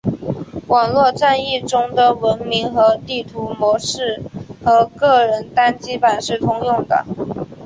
网络战役中的文明和地图模式和个人单机版是通用的。